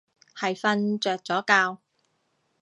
係瞓着咗覺